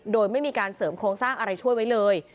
โดยไม่มีการเสริมโครงสร้างอะไรช่วยไว้เลย